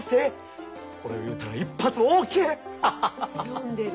読んでる。